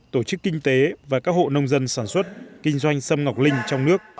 tổ chức kinh tế và các hộ nông dân sản xuất kinh doanh sâm ngọc linh trong nước